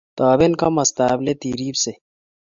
Toben komostab let iribsei